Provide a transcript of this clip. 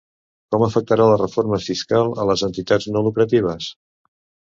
Com afectarà la reforma fiscal a les entitats no lucratives?